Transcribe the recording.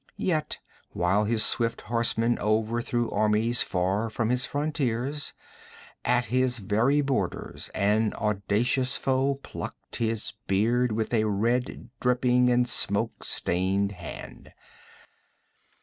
Yet, while his swift horsemen overthrew armies far from his frontiers, at his very borders an audacious foe plucked his beard with a red dripping and smoke stained hand.